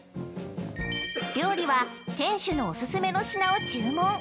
料理は店主のお勧めの品を注文！